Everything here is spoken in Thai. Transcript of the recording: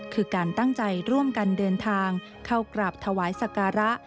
คือการตั้งใจร่วมกันเดินทางเข้ากราบถวายสการะ